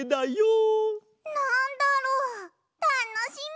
なんだろう？たのしみ！